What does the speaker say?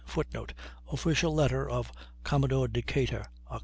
[Footnote: Official letter of Commodore Decatur, Oct.